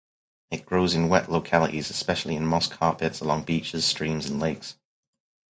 It grows in wet localities, especially in moss carpets along beaches, streams and lakes.